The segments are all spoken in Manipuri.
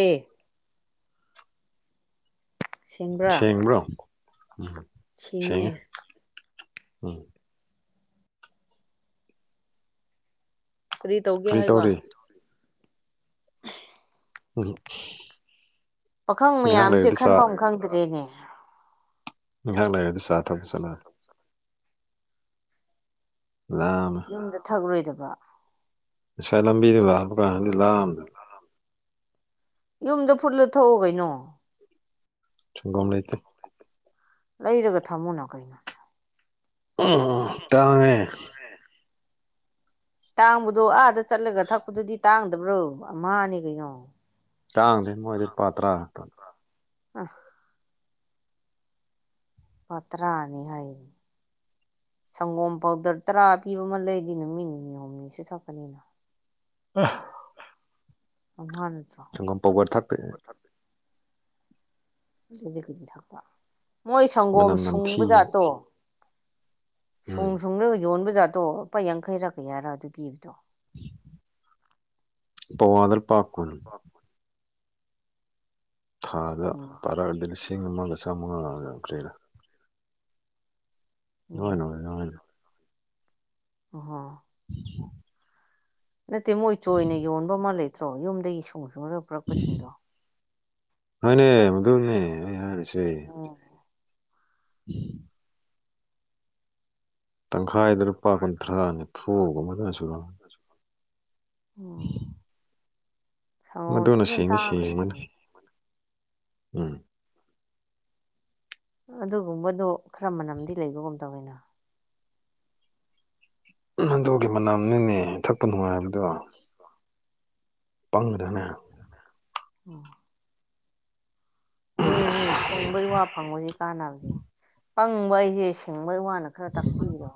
ꯑꯦ ꯁꯦꯡꯕ꯭ꯔꯥ ꯁꯦꯡꯕ꯭ꯔꯣ ꯎꯝ ꯁꯦꯡꯉꯦ ꯎꯝ꯫ ꯀꯔꯤ ꯇꯧꯒꯦ ꯍꯥꯏꯕ꯫ [unintelligible] ꯄꯥꯈꯪ ꯉꯥꯏꯍꯥꯛ ꯃꯌꯥꯝꯁꯦ ꯂꯩꯔꯗꯤ ꯆꯥ ꯈꯟꯐꯝ ꯈꯪꯗ꯭ꯔꯦꯅꯦ꯫ [unintelligible] ꯆꯠꯂꯅꯤ [unintelligible] ꯂꯥꯝꯃꯦ ꯌꯨꯝꯗ ꯊꯛꯔꫭꯏꯗꯕ ꯉꯁꯥꯏ ꯂꯝꯕꯤꯗ ꯂꯥꯛꯕ ꯀꯥꯟꯗꯤ ꯂꯥꯝꯗꯦ ꯌꯨꯝꯗ ꯐꯨꯠꯂ ꯊꯛꯎ ꯀꯩꯅꯣ꯫ ꯁꯡꯒꯣꯝ ꯂꯩꯇ꯫ ꯂꯩꯔꯒ ꯊꯝꯃꯨꯅ ꯀꯩꯅꯣ꯫ [unintelligible] ꯇꯥꯡꯉꯦ꯫ ꯇꯥꯡꯕꯗꯣ ꯑꯥꯗ ꯆꯠꯂꯒ ꯊꯛꯄꯗꯨꯗꯤ ꯇꯥꯡꯗꯕ꯭ꯔꯣ ꯑꯃꯍꯥꯅꯦ ꯀꯩꯅꯣ꯫ ꯇꯥꯡꯗꯦ ꯃꯣꯏꯗ ꯂꯨꯄꯥ ꯇ꯭ꯔꯥ ꯈꯇꯪ ꯑ ꯂꯨꯄꯥꯇ꯭ꯔꯥꯅꯤ ꯍꯥꯏ ꯁꯪꯒꯣꯝ ꯄꯥꯎꯗꯔ ꯇꯔꯥ ꯄꯤꯕ ꯑꯃ ꯂꯩꯗꯤ ꯅꯨꯃꯤꯠ ꯅꯤꯅꯤ ꯍꯨꯝꯅꯤꯁꯨ ꯊꯛꯀꯅꯤꯅ [inaudible] ꯑꯥꯍ꯫ [unintelligible] ꯁꯪꯒꯣꯝ ꯄꯋꯥꯔ ꯊꯥꯛꯄꯦ [unintelligible] ꯃꯣꯏ ꯁꯪꯒꯣꯝ ꯃꯅꯝ ꯅꯝꯊꯤ ꯁꯨꯡꯕꯖꯥꯠꯇꯣ ꯎꯝ ꯁꯨꯡ ꯁꯨꯡꯂꯒ ꯌꯣꯟꯕꯖꯥꯠꯗꯣ ꯂꯨꯄꯥ ꯌꯥꯡꯈꯩꯔ ꯀꯌꯥꯔ ꯑꯗꯨ ꯄꯤꯕꯗꯣ ꯄꯋꯥꯗ ꯂꯨꯄꯥ ꯀꯨꯟ ꯊꯥꯗ ꯎꯝ ꯄꯥꯔꯛꯑꯗꯤ ꯂꯤꯁꯤꯡ ꯑꯃꯒ ꯆꯥꯝꯃꯉꯥ ꯌꯥꯡꯈꯩꯔ ꯑꯗꯨꯃꯥꯏꯅ ꯎꯝ ꯑꯣꯏ ꯑꯗꯨꯃꯥꯏꯅ ꯑꫭ [inaudible] ꯅꯠꯇꯦ ꯃꯣꯏ ꯆꯣꯏꯅ ꯌꯣꯟꯕ ꯑꯃ ꯂꯩꯇ꯭ꯔꯣ ꯌꯨꯝꯗꯒꯤ ꯁꯨꯡ ꯁꯨꯡꯨꯔꯒ ꯄꯨꯔꯛꯄꯁꯤꯡꯗꯣ ꯍꫭꯏꯅꯦ [unintelligible] [inaudible] ꯇꯪꯈꯥꯏꯗ ꯂꯨꯄꯥ ꯀꯨꯟꯊ꯭ꯔꯥ ꯅꯤꯐꯨꯒꯨꯝꯕꯗ [unintelligible] ꯃꯗꯨꯅ ꯁꯦꯡꯗꯤ ꯁꯦꯡꯕꯅꯤ [unintelligible] ꯎꯝ ꯑꯗꯨꯒꯨꯝꯕꯗꯣ ꯈꯔ ꯃꯅꯝꯗꯤ ꯂꯩꯕꯒꯨꯝ ꯇꯧꯋꯦꯅ ꯑꯗꯨꯒꯤ ꯃꯅꯝꯅꯤꯅꯦ ꯊꯛꯄ ꯅꯨꯡꯉꯥꯏꯕꯗꯣ ꯄꯪꯒ꯭ꯔꯦꯅꯦ ꯑꯣ ꯑꯗꯨꯅꯅꯦ ꯁꯤꯡꯕ ꯏꯋꯥ ꯐꯪꯕꯁꯦ ꯀꯥꯟꯅꯕꯁꯦ ꯄꯪꯕ ꯑꯩꯁꯦ ꯁꯤꯡꯕ ꯏꯋꯥꯅ ꯈꯔ ꯇꯥꯛꯄꯤꯔꯣ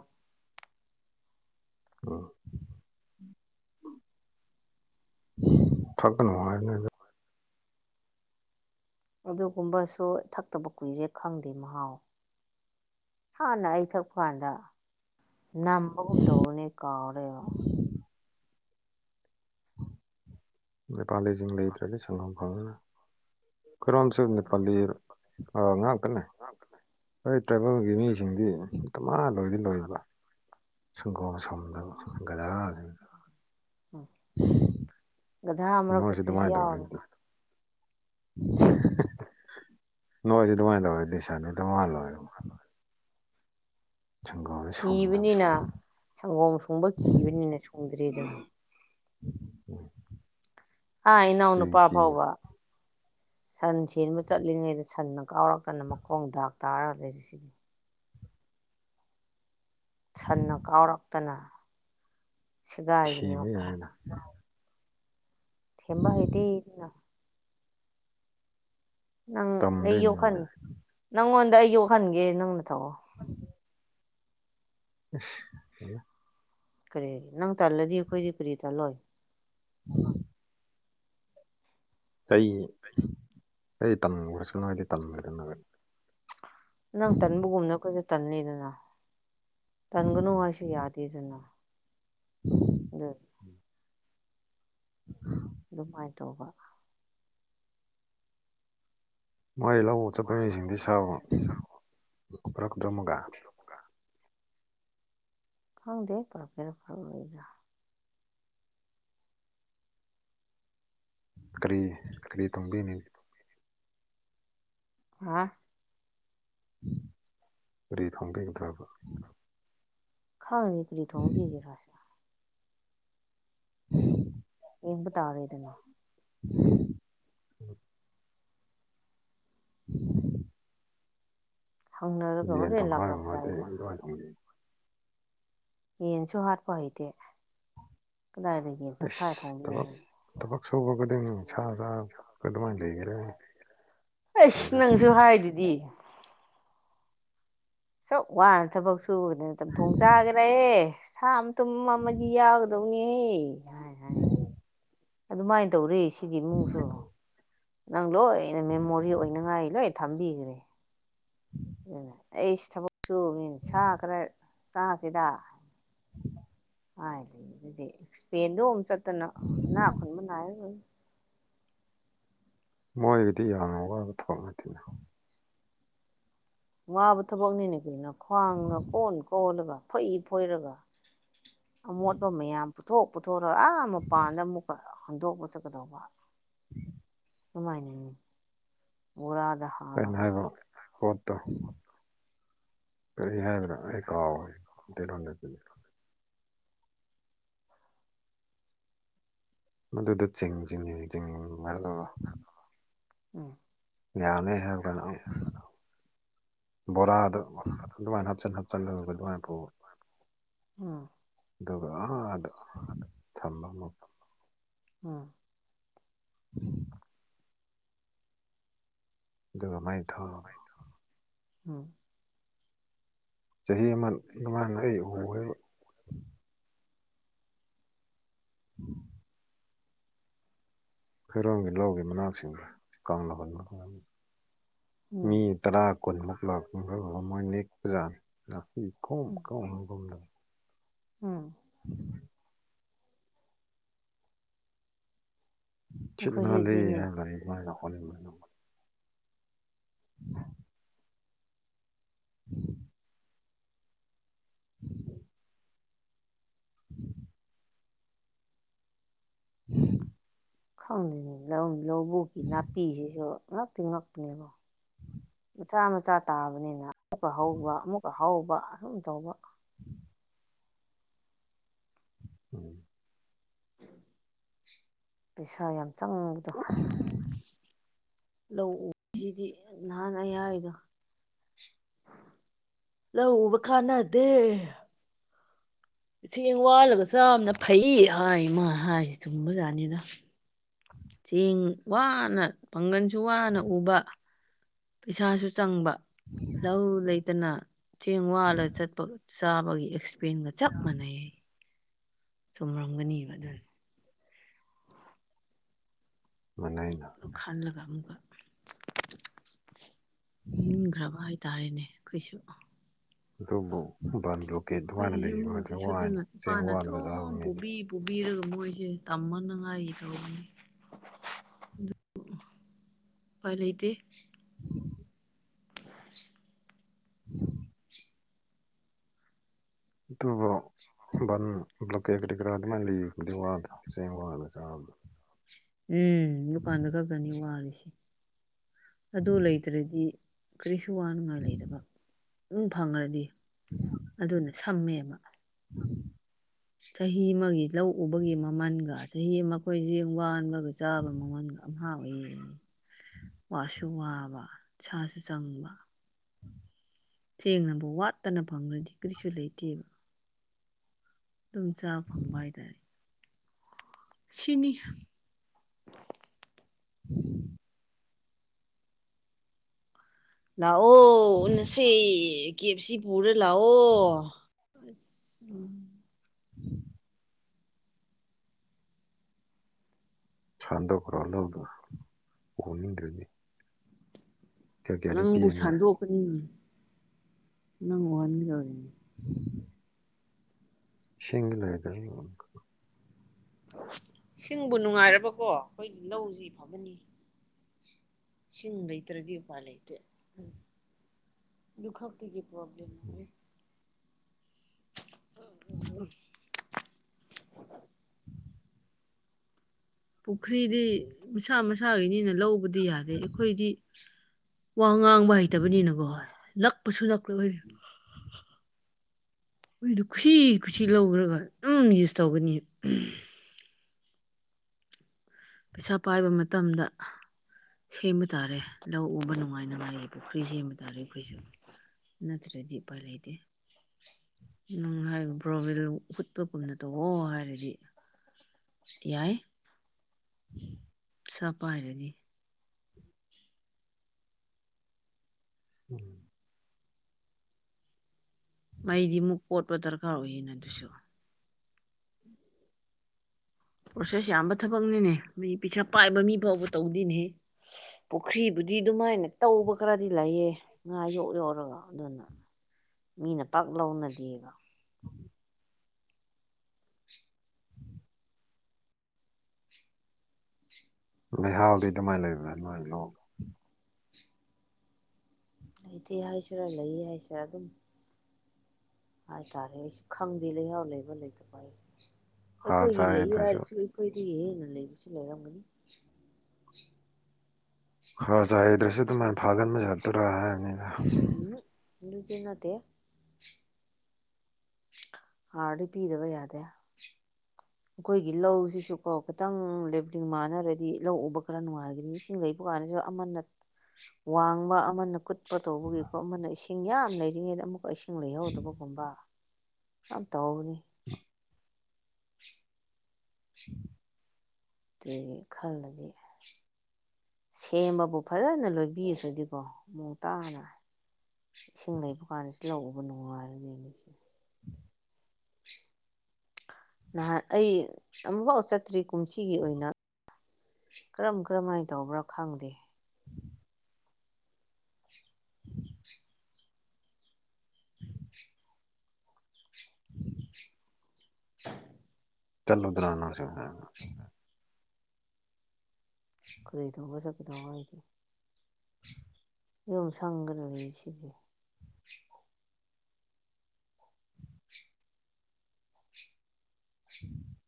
ꯊꯛꯄ ꯅꯨꯡꯉꯥꯏꯕꯅꯦ ꯑꯗꯨ ꯑꯗꯨꯒꯨꯝꯕꯁꯨ ꯊꯛꯇꯕ ꯀꯨꯏꯔꯦ ꯈꯪꯗꯦ ꯃꯍꯥꯎ ꯍꯥꯟꯅ ꯑꯩ ꯊꯛꯄ ꯀꯥꯟꯗ ꯅꯝꯕꯒꯨꯝ ꯇꯧꯕꯅꯦ ꯀꯥꯎꯔꯦ ꯅꯦꯄꯥꯂꯤꯁꯤꯡ ꯂꯩꯇ꯭ꯔꯗꯤ ꯁꯪꯒꯣꯝ ꯐꯪꯉꯔꫭꯏ ꯀꯔꯣꯝ ꯆꯨ ꯅꯦꯄꯥꯂꯤ ꯑ ꯉꯥꯛꯇꯅꯦ ꯍꯣꯏ ꯇ꯭ꯔꯥꯏꯕꯦꯜꯒꯤ ꯃꯤꯁꯤꯡꯗꯤ ꯗꯃ ꯂꯣꯏꯗꯤ ꯂꯣꯏꯕ ꯁꯪꯒꯣꯝ ꯁꯣꯝꯗꯕ ꯒꯗꯥ ꯎꯝ ꯒꯙꯥ ꯃꯔꯛꯇ ꯅꯣꯏꯁꯤ ꯈꯣꯏꯁꯨ ꯑꯗꯨꯃꯥꯏꯅ ꯌꯥꯎꯔꯦ ꯇꯧꯒꯦꯗꯨꯗꯤ ꯅꫭꯁꯨ ꯗꯨꯃꯥꯏ ꯂꯧꯁꯥꯉꯩꯗ ꯋꯥ ꯂꫭꯏꯔꯦ ꯁꯨꯝꯗꯕ ꯀꯤꯕꯅꯤꯅ ꯁꯪꯒꯣꯝ ꯁꯨꯡꯕ ꯀꯤꯕꯅꯤꯅ ꯁꯨꯡꯗ꯭ꯔꯤꯗꯅ [inaudible] ꯑ ꯏꯅꯥꯎ ꯀꯔꯤ ꯅꯨꯄꯥ ꯀꯤꯕ ꯐꯥꯎꯕ ꯁꯟ ꯁꯦꯝꯦꯟꯕ ꯆꯠꯂꯤꯉꯩꯗ ꯁꯟꯅ ꯀꯥꯎꯔꯛꯇꯅ ꯃꯈꯣꯡ ꯗꯥꯛ ꯇꯥꯔꯒ ꯂꯩꯔꯤꯁꯤꯗꯤ ꯁꯟꯅ ꯀꯥꯎꯔꯛꯇꯅ ꯁꯦꯒꯥꯏꯗꯅꯤꯕꯣ ꯊꯤꯕ ꯌꯥꯏꯗ ꯊꯦꯝꯕ ꯍꯥꯏꯗꯤꯅ ꯅꯪ ꯑꯩ ꯇꯝꯗꯣꯏꯅꯤꯗ ꯌꯣꯛꯍꯟꯒꯦ ꯅꯪꯉꯣꯟꯗ ꯑꯩ ꯌꯣꯛꯍꯟꯒꯦ ꯅꯪꯅ ꯊꯧꯑꯣ ꯎꯝ [unintelligible] ꯀꯔꯤ ꯅꯪ ꯇꯜꯂꯗꯤ ꯑꯩꯈꯣꯏꯗꯤ ꯀꯔꯤ ꯇꯜꯂꯣꯏ ꯎꯝ ꯆꯍꯤ ꯀ ꯇꯝꯈ꯭ꯔꯁꯨ ꯅꯣꯏꯗꯤ ꯇꯝꯈ꯭ꯔꯦꯗ ꯅꯅꯕ ꯅꯪ ꯇꯟꯕꯒꯨꯝꯅ ꯑꯩꯈ‌ꯣꯏꯁꯨ ꯇꯟꯂꯤꯗꯅ ꯇꯟꯒꯅꯨ ꯎꯝ ꯍꯥꯏꯁꯨ ꯌꯥꯗꯦꯗꯅ꯫ [inaudible] ꯎꯝ [inaudible] [inaudible] ꯑꯗꯨꯃꯥꯏꯅ ꯇꯧꯕ ꯃꯣꯏ ꯂꯧꯕ ꯆꯠꯄ ꯃꯤꯁꯤꯡꯗꯤ [unintelligible] ꯈꯪꯗꯦ ꯐꯔꯛꯀꯦꯔ ꯐꯔꯛꯑꫭꯏꯔ ꯀꯔꯤ ꯀꯔꯤ ꯇꯨꯡꯒꯤꯅꯤ ꯍꯥ ꯐꯔꯤ ꯊ ꯍꯣꯡꯒꯦ ꯀꯊꯕ ꯈꯥꯉ ꯀꯔꯤ ꯊꯣꯡꯕꯤ ꯔꯁ [inaudible] ꯌ‌ꯦꯡꯕ ꯇꯥꯔꯦꯗꯅ꯫ [inaudible] [inaudible] ꯍꯪꯅꯔꯒ ꯌꯦꯟ ꯍꯣꯔꯦꯟ ꯇꯪꯈꯥꯏꯔꯕ ꯂꯥꯛꯂꯝꯗꯥꯏꯗ ꯉꯇꯦꯇꯃꯥꯏꯅ ꯇꯧꯕꯤꯌꯨ ꯌꯦꯟꯁꯨ ꯍꯥꯠꯄ ꯍꯩꯇꯦ ꯀꯗꯥꯏꯗ ꯌꯦꯟꯇꯪ ꯐꯥꯏ ꯑꯁ ꯊꯕꯛ ꯊꯣꯡꯕꯤꯕꯣ ꯊꯕꯛ ꯁꯨꯕ ꯈꯨꯗꯤꯡ ꯁꯥ ꯁꯥ ꯑꯗꯨꯃꯥꯏꯅ ꯂꯩꯒ꯭ꯔꯅꯤ ꯑꯩꯁ ꯅꯪꯁꯨ ꯍꯥꯏꯗꯨꯗꯤ ꯁꯨꯛ ꯋꯥꯅ ꯊꯕꯛ ꯁꯨꯕꯅꯤꯅ ꯆꯝꯊꯣꯡ ꯆꯥꯒ‌ꯦꯔ ꯑꯦ ꯁꯥ ꯇꯨꯝ ꯑꯃꯗꯤ ꯌꯥꯎꯒꯗꯧꯅꯤꯍꯦ ꯍꯥꯏ ꯍꯥꯏ ꯑꯗꯨꯃꯥꯏꯅ ꯇꯧꯔ‌ꯦꯁ ꯁꯤꯒꯤ ꯏꯃꯨꯡꯁꯨ ꯅꯪ ꯂꯣꯏꯅ ꯃꯦꯃꯣꯔꯤ ꯑꯣꯏꯅꯉꯥꯏ ꯂꯣꯏ ꯊꯝꯕꯤꯈ꯭ꯔꯦ [inaudible] ꯑꯗꯨꯅ ꯑꯩꯁꯤ ꯊꯕꯛ ꯁꯨꯕ ꯃꯤꯅ ꯁꯥ ꯈꯔ ꯆꯥꯁꯤꯗ [inaudible] ꯍꯥꯏꯗꯤ ꯑꯗꯨꯗꯤꯄꯦꯟꯗꯣ ꯑꯃꯨꯛ ꯆꯠꯇꯅ ꯅꯥ ꯈꯨꯟꯕ ꯅꯥꯏꯔ ꯃꯣꯏꯒꯤꯗꯤ ꯌꯥꯝꯅ ꯋꯥꯕ ꯊꯕꯛ ꯅꯠꯇ‌ꯦꯗ ꯋꯥꯕ ꯊꯕꯛꯅꯤꯅꯦ ꯀꯩꯅꯣ ꯈ꯭ꯋꯥꯡꯅ ꯀꯣꯟ ꯀꯣꯜꯂꯒ ꯐ‌ꯣꯏ ꯐꯣꯏꯔꯒ ꯑꯃꯣꯠꯄ ꯃꯌꯥꯝ ꯄꯨꯊꯣꯛ ꯄꯨꯊꯣꯔ ꯑꯥ ꯃꯄꯥꯟꯗ ꯑꯃꯨꯛꯀ ꯍꯟꯗꯣꯛꯄ ꯆꯠꯀꯗꯧꯕ [inaudible] ꯑꯗꯨꯃꯥꯏꯅ ꯃ‌ꯣꯔꯥꯗ ꯍꯥꯞ ꯑꯩꯅ ꯍꯥꯏꯕ ꯄꯣꯠꯇꯣ ꯀꯔꯤ ꯍꯥꯏꯗ꯭ꯔꯥ ꯑꯩ ꯀꯥꯎꯕ ꯃꯤꯇꯩꯂ‌ꯣꯟꯗꯗꯤ ꯃꯗꯨꯗ ꯆꯤꯡ ꯆꯤꯡ ꯅꯤꯡ ꯆꯤꯡ [unintelligible] ꯎꯝ ꯌꯥꯅꯤ ꯍꯥꯏꯕꯒꯥꯟꯗ ꯑꯃꯨꯛ ꯕꯣꯔꯥꯗ ꯑꯗꯨꯃꯥꯏꯅ ꯍꯥꯞꯆꯤꯟ ꯍꯥꯞꯆꯤꯟꯂꯒ ꯑꯗꯨꯃꯥꯏꯅ ꯐꯧꯕ ꯎꯝ ꯑꯗꯨꯒ ꯑꯍꯥꯗ ꯊꯝꯕ ꯑꯃꯨꯛ ꯎꯝ [inaudible] ꯑꯗꯨꯒ ꯃꯩ ꯊꯥꯎ ꯎꯝ ꯆꯍꯤ ꯑꯃ ꯑꯗꯨꯃꯥꯏꯅ ꯑꯩ ꯎꯒꯦꯕ [inaudible] ꯐꯦꯔꯣꯝꯒꯤ ꯂꯧꯒꯤ ꯃꯅꯥꯛꯁꯤꯡꯗꯨ ꯀꯪꯅ ꯍꯨꯟꯕ ꯃꯤ ꯎꯝ ꯇꯔꯥ ꯀꯨꯟꯃꯨꯛ ꯂꯥꯛꯄ ꯑꯗꯨꯗꯨꯒ ꯃꯣꯏ ꯅꯦꯛꯄꯖꯥꯠꯅꯤ ꯅꯥꯄꯤ ꯈꫭꯝ ꯎꯝ ꯈꫭꯝ [unintelligible] ꯎꯝ [inaudible] ꯁꯤꯠ ꯑꯩꯈꯣꯏꯁꯨ ꯅꯥꯜꯂꯦ ꯑꯗꯨꯅꯤ ꯍꯥꯏꯅ ꯑꯗꯨꯃꯥꯏꯅ ꯍꯣꯔꯦꯟ ꯍ [inaudible] ꯎꯝ ꯎ [inaudible] ꯎꯝ [inaudible] [inaudible] ꯈꯪꯗꯅꯤ ꯂꯧꯕꯨꯛꯒꯤ ꯅꯥꯄꯤꯁꯤꯁꯨ ꯉꯛꯇꯤ ꯉꯛꯄꯅꯦꯕ ꯃꯆꯥ ꯃꯆꯥ ꯇꯥꯕꯅꯤꯅ ꯑꯃꯨꯛꯀ ꯍꯧꯕ ꯑꯃꯨꯛꯀ ꯍꯧꯕ ꯑꯗꯨꯨꯝ ꯇꯧꯕ [inaudible] ꯎꯝ ꯄꯩꯁꯥ ꯌꯥꯝ ꯆꯪꯕꯗꯣ ꯂꯧꯎ ꯁꯤꯗꯤ ꯅꯍꯥꯟ ꯑꯩ ꯍꯥꯏꯔꯤꯗꯣ ꯂꯧ ꯎꯕ ꯀꯥꯟꯅꯗꯦ ꯆꯦꯡ ꯋꯥꯜꯂꯒ ꯆꯥꯕꯅ ꯐꯩ ꯍꯥꯏ ꯃꯥꯅ ꯍꯥꯏꯁꯤ ꯆꯨꯝꯕꯖꯥꯠꯅꯤꯗ ꯆꯦꯡ ꯋꯥꯅ ꯄꯥꯡꯒꯟꯁꯨ ꯋꯥꯅ ꯎꯕ ꯄꯩꯁꯥꯁꯨ ꯆꯪꯕ ꯂꯧ ꯂꯩꯇꯅ ꯆꯦꯡ ꯋꯥꯜꯂ ꯆꯠꯄ ꯆꯥꯕꯒꯤ ꯑꯦꯛ ꯄꯦꯟꯒ ꯆꯞ ꯃꯥꯟꯅꯩꯌꯦ ꯆꯨꯝꯔꯝꯒꯅꯤꯕ ꯑꯗꯨꯅ ꯃꯥꯟꯅꯩꯅ ꯄꯜꯂꯒ ꯑꯃꯨꯛꯀ ꯅꯤꯡꯈ꯭ꯔꯕ ꯍꯥꯏꯇꯥꯔꯦꯅꯦ ꯑꯩꯈꯣꯏꯁꯨ ꯑꯗꯨꯕꯨ ꯕꯟ ꯕ꯭ꯂꯣꯀꯦꯠ ꯑꯗꯨꯃꯥꯏꯅ ꯑꯩꯈꯣꯏꯒꯤꯁꯨ ꯂꯩꯕ ꯑꯗꯩ ꯏꯃꯨꯡꯒꯤꯁꯨ ꯋꯥꯔꯦꯅ ꯑꯗꯨꯅ ꯆꯦꯡ ꯏꯄꯥꯅ ꯋꯥꯜꯂꯒ ꯆꯥꯕ ꯑꯗꯨꯝ ꯃꯤꯗꯤ ꯄꯨꯕꯤ ꯄꯨꯕꯤꯔꯒ ꯃꯣꯏꯁꯦ ꯇꯝꯕꯅꯉꯥꯏꯒꯤ ꯊꯕꯛꯅꯤ ꯎꯄꯥꯏ ꯂꯩꯇꯦ ꯎ [inaudible] [inaudible] [inaudible] ꯑꯗꯨꯕꯨ ꯕꯟ ꯕ꯭ꯂꯣꯀꯦꯠ ꯀꯔꯤ ꯀꯔꯥ ꯑꯗꯨꯃꯥꯏ ꯂꯩꯋꯦ ꯑꯗꯨꯏ ꯋꯥꯗꫭ ꯆꯦꯡ ꯋꯥꯜꯂꯒ ꯆꯥꯕꯗꯤ ꯎꯝ ꯑꯗꯨꯀꯥꯟꯗ ꯈꯛꯇꯅꯤ ꯋꯥꯔꯤꯁꯦ ꯑꯗꯨ ꯂꯩꯇ꯭ꯔꯗꯤ ꯀꯔꯤꯁꯨ ꯋꯥꯅꯤꯉꯥꯏ ꯂꯩꯗꯕ ꯑꯗꯨꯝ ꯐꯪꯒ꯭ꯔꯗꯤ ꯑꯗꯨꯅ ꯁꯝꯃꯦꯕ [inaudible] ꯆꯍꯤ ꯑꯃꯒꯤ ꯂꯧ ꯎꯕꯒꯤ ꯃꯃꯜꯒ ꯆꯍꯤ ꯑꯃ ꯑꯩꯈꯣꯏ ꯆꯦꯡ ꯋꯥꯜꯂꯒ ꯆꯥꯕ ꯃꯃꯜꯒ ꯉꯍꯥꯛꯑꫭꯏꯔꯦ ꯋꯥꯁꯨ ꯋꯥꯕ ꯄꯩꯁꯥꯁꯨ ꯆꯪꯕ [inaudible] ꯆꯦꯡꯅꯕꯨ ꯋꯥꯠꯇꯅ ꯐꯪꯂꯗꯤ ꯀꯔꯤꯁꯨ ꯂꯩꯇꯦ ꯑꯗꯨꯝ ꯆꯥ ꯐꯪꯕ ꯍꯥꯏꯇꯥꯔꯦ ꯁꯤꯅꯤ [inaudible] ꯂꯥꯛꯑꯣ ꯎꯅꯁꯦ ꯀꯦ ꯌꯦꯞ ꯁꯤ ꯄꯨꯔ ꯂꯥꯛꯑꯣ ꯑꯁ ꯎꯝ [inaudible] ꯁꯥꯟꯗꯣꯛꯈ꯭ꯔꯣ ꯂꯧꯗꯣ ꯎꯅꯤꯡꯗ꯭ꯔꯗꯤ ꯅꯪꯕꯨ ꯄꯤꯔꯤ ꯅꯣꯏ ꯁꯥꯟꯗꯣꯛꯀꯅꯤ ꯅꯪ ꯎꯍꯟ ꯗꯧꯔꯤꯕꯅꯦ [unintelligible] ꯁꯤ [inaudible] ꯡ ꯂ ꯍꯥꯏꯗ ꯏꯁꯤꯡꯕꯨ ꯅꯨꯡꯉꯥꯏꯔꯕꯀꯣ ꯑꯩꯈꯣꯏ ꯂꯧꯁꯤ ꯐꯕꯅꯤ ꯏꯁꯤꯡ ꯂꯩꯇ꯭ꯔꯗꯤ ꯎꯄꯥꯏ ꯂꯩꯇꯦ ꯑꯗꯨ ꯈꯛꯇꯒꯤ ꯄ꯭ꯔꯣꯕ꯭ꯂꯦꯝ ꯑꯣꯏꯋꯦ [inaudible] [unintelligible] [inaudible] ꯄꯨꯈ꯭ꯔꯤꯗꯤ ꯃꯁꯥ ꯃꯁꯥꯒꯤꯅꯤꯅ ꯂꯧꯕꯗꯤ ꯌꯥꯗꯦ ꯑꯩꯈꯣꯏꯗꯤ ꯋꯥ ꯉꯥꯡꯕ ꯍꯩꯇꯕꯅꯤꯅꯀꯣ ꯅꯛꯄꯁꯨ ꯅꯛꯄ ꯑꯈꫭꯏꯒꯤ ꯃꯣꯏꯗꯨ ꯈꯨꯁꯤ ꯈꯨꯁꯤ ꯂꯧꯈ꯭ꯔꯒ ꯑꯗꯨꯝ ꯌꯨꯁ ꯇꯧꯕꯅꯤ ꯄꯩꯁꯥ ꯄꯥꯏꯕ ꯃꯇꯝꯗ ꯁꯦꯝꯕ ꯇꯥꯔꯦ ꯂꯧ ꯎꯕ ꯅꯨꯡꯉꯥꯏꯅꯕ ꯍꯌꯦꯡ ꯄꯨꯈ꯭ꯔꯤ ꯁꯦꯝꯕ ꯇꯥꯔꯦ ꯑꯩꯈꯣꯏꯁꯨ ꯅꯠꯇ꯭ꯔꯗꯤ ꯎꯄꯥꯏ ꯂꯩꯇꯦ ꯪ [unintelligible] ꯍꯨꯠꯄꯒꯨꯝꯅ ꯇꯧꯋꯣ ꯍꯥꯏꯔꯗꯤ ꯌꯥꯏ ꯎꯝ [inaudible] ꯈꯥ ꯄꯥꯏꯔꯅꯤ ꯎꯝ [unintelligible] ꯃꯩꯗꯤ ꯑꯃꯨꯛ ꯀꯣꯠꯄ ꯗꯔꯀꯥꯔ ꯑꯣꯏꯌꯦꯅꯦ ꯑꯗꯨꯁꯨ ꯄ꯭ꯔꯣꯁꯦꯁ ꯌꯥꯝꯕ ꯊꯕꯛꯅꯤꯅꯦ ꯃꯤ ꯄꯩꯁꯥ ꯄꯥꯏꯕ ꯃꯤ ꯐꯥꯎꯕ ꯇꯧꯗꯦꯅꯦ ꯄꯨꯈ꯭ꯔꯤꯕꯨꯗꯤ ꯑꯗꯨꯃꯥꯏꯅ ꯇꯧꯕ ꯈꯔꯗꯤ ꯂꯩꯑꯦ ꯉꯥ ꯌꯣꯛ ꯌꯣꯛꯔꯒ ꯑꯗꯨꯅ ꯃꯤꯅ ꯄꯥꯛ ꯂꯧꯅꯗꯦꯕ ꯂꯩꯍꯥꯎꯗꯤ ꯑꯗꯨꯃꯥꯏꯅ ꯂꯩꯕ꯭ꯔꯥ ꯅꯣꯢ ꯂꯧ ꯂꯩꯇꯦ ꯍꯥꯏꯁꯤꯔꯥ ꯂꯩ ꯍꯥꯏꯁꯤꯔꯥ ꯑꯗꯨꯝ ꯍꯥꯏꯇꯥꯔꯦ ꯑꯩꯁꯨ ꯈꯪꯗꯦ ꯂꯩꯍꯥꯎ ꯂꯩꯕ ꯂꯩꯇꯕ ꯍꯥꯏꯁꯦ ꯍꯥꯔ ꯑꯩꯈꯣꯏꯒꯤ ꯂꯩ ꯆꯥꯏꯗ꯭ꯔꯁꯨ ꯍꯥꯏꯔꯁꯨ ꯑꯩꯈꯣꯏꯗꯒꯤ ꯍꯦꯟꯅ ꯂꯩꯕꯁꯨ ꯂꯩꯔꯝꯒꯅꯤ ꯍꯥꯔ ꯆꯥꯢꯗ꯭ꯔꯁꯨ ꯑꯗꯨꯃꯥꯏꯅ ꯐꯥꯒꯟꯕ ꯆꯠꯇꯨꯔꯥ ꯍꯥꯏꯕꯅꯤꯗ ꯎꯝ ꯑꯗꯨꯗꯤ ꯅꯠꯇꯦ ꯍꯥꯔꯗꯤ ꯄꯤꯗꯕ ꯌꯥꯗꯦ ꯑꯩꯈꯣꯏꯒꯤ ꯂꯧꯁꯤꯁꯨ ꯀꯣ ꯈꯤꯇꯪ ꯂꯦꯕꯂꯤꯡ ꯃꯥꯟꯅꯔꯗꯤ ꯂꯧ ꯎꯕ ꯈꯔ ꯅꯨꯡꯉꯥꯏꯒꯅꯤ ꯏꯁꯤꯡ ꯂꯩꯕ ꯀꯥꯟꯗꯁꯨ ꯑꯃꯅ ꯋꯥꯡꯕ ꯑꯃꯅ ꯀꯨꯠ ꯄꯣ ꯇꯧꯕꯒꯤꯀꯣ ꯑꯃꯅ ꯏꯁꯤꯡ ꯌꯥꯝ ꯂꯩꯔꯤꯉꯩꯗ ꯑꯃꯨꯛꯀ ꯏꯁꯤꯡ ꯂꯩꯍꯧꯗꯕꯒꯨꯝꯕ ꯌꯥꯝ ꯇꯧꯕꯅꯦ [inaudible] ꯀꯔꯤ ꯈꯜꯂꯒꯦ ꯁꯦꯝꯕꯕꯨ ꯐꯖꯅ ꯂꯣꯏꯕꯤꯈ꯭ꯔꯗꯤꯀꯣ ꯃꯑꯣꯡ ꯇꯥꯅ ꯢꯁꯤꯡ ꯂꯩꯕꯒꯥꯟꯗꯁꯨ ꯂꯧ ꯎꯕ ꯅꯨꯉꯥꯢꯕꯅꯦ ꯅꯍꯥꯟ ꯑꯩ ꯑꯃꯨꯛꯐꯥꯎ ꯆꯠꯇ꯭ꯔꯤ ꯀꯨꯝꯁꯤꯒꯤ ꯑꯣꯏꯅ ꯀꯔꯝ ꯀꯔꯝꯍꯥꯏꯅ ꯇꯧꯕ꯭ꯔꯥ ꯈꯪꯗꯦ [inaudible] ꯆꯜꯂꯣ ꯗꯔꯅ ꯁꯤ ꯍꯥꯏ [inaudible] ꯀꯔꯤ ꯗꯧꯕ ꯆꯠꯀꯗꯧꯕ ꯑꯩꯗꯤ ꯌꯨꯝ ꯁꯪꯒꯅ ꯂꯩ ꯁꯤꯗꯤ ꯎꯝ [inaudible]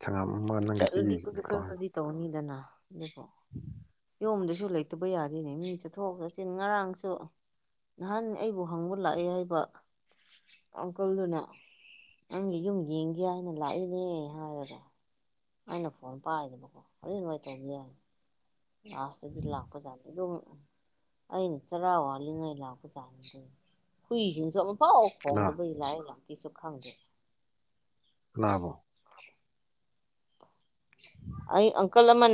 ꯁꯪꯒꯥꯝ ꯑꯃ ꯅꯪꯒꯤ ꯆꯠꯂꯨꯗꯤ ꯄꯤꯈꯤꯕ [inaudible] ꯅꯤ ꯈꯔ ꯀ꯭ꯔꯣ ꯍꯥꯏꯕ ꯈꯔꯗꯤ ꯇꯧꯅꯤꯗꯅ ꯑꯗꯨꯣ ꯎꯝ ꯑꯗꯣꯝꯗꯁꯨ ꯂꯩꯇꯕ ꯌꯥꯗꯦꯅꯦ ꯃꯤ ꯆꯠꯊꯣꯛ ꯆꯠꯁꯤꯟ ꯉꯔꯥꯡꯁꯨ ꯅꯍꯥꯟ ꯑꯩꯕꯨ ꯍꯪꯕ ꯂꯥꯛꯑꯦ ꯍꯥꯏꯕ ꯑꯪꯀꯜꯗꯨꯅ ꯅꯪꯗꯤ ꯌꯨꯝ ꯌꯦꯡꯒꯦ ꯍꯥꯏꯅ ꯂꯥꯛꯏꯅꯦ ꯍꯥꯏꯔꯒ ꯑꯩꯅ ꯐꯣꯟ ꯄꯥꯏꯗꯕꯀꯣ ꯑꯗꯨ ꯉꯥꯏ ꯇꯧꯕ ꯌꯥꯏ ꯑꯁ ꯂꯥꯛꯄꯖꯥꯅꯤ ꯂ ꯑꯩꯅ ꯆꯔꯥ ꯋꯥꯜꯂꯤꯉꯩ ꯂꯥꯛꯄ ꯆꯥꯅꯤꯗ ꯍꯨꯏꯁꯤꯡꯁꯨ ꯑꯃꯨꯛ ꯄꯥꯎ ꯀꯅꯥ ꯐꯣꯡꯗꯕ ꯏ ꯂꯥꯏꯑ ꯂꯥꯛꯇꯦꯁꯨ ꯈꯪꯗꯦ [unintelligible] ꯎ [inaudible] ꯑꯩ ꯑꯪꯀꯜ ꯑꯃ